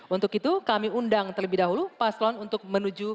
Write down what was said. untuk itu kami undang terlebih dahulu pak slon untuk menunjukkan